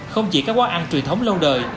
không chỉ các quán ăn truyền thống lâu đời